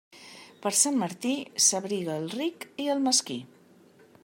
Per Sant Martí, s'abriga el ric i el mesquí.